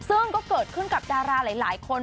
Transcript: ซึ่งก็เกิดขึ้นกับดาราหลายคน